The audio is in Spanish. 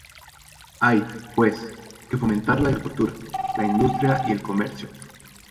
Hay, pues, que fomentar la agricultura, la industria y el comercio.